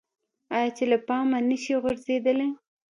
آیا چې له پامه نشي غورځیدلی؟